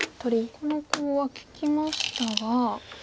このコウは利きましたが。